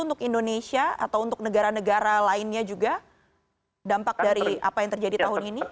untuk indonesia atau untuk negara negara lainnya juga dampak dari apa yang terjadi tahun ini